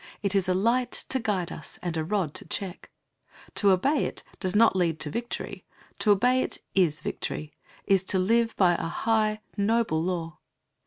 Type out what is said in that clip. It is a light to guide us and a rod to check. To obey it does not lead to victory; to obey it is victory is to live by a high, noble law.